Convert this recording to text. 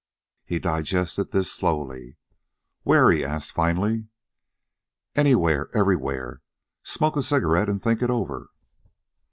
He digested this slowly. "Where?" he asked finally. "Anywhere. Everywhere. Smoke a cigarette and think it over."